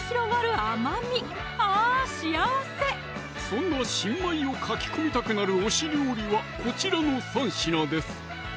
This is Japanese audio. そんな新米をかき込みたくなる推し料理はこちらの３品です